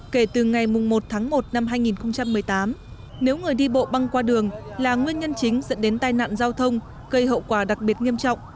kể từ ngày một tháng một năm hai nghìn một mươi tám nếu người đi bộ băng qua đường là nguyên nhân chính dẫn đến tai nạn giao thông gây hậu quả đặc biệt nghiêm trọng